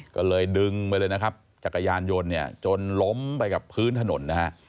ก็เลยดึงไปเลยจักรยานยนต์จนล้มไปกับพื้นถนน